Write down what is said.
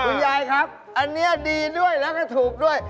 คุณยายครับอันนี้ดีด้วยแล้วก็ถูกด้วย